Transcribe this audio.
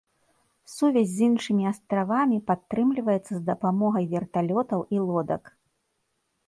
Сувязь з іншымі астравамі падтрымліваецца з дапамогай верталётаў і лодак.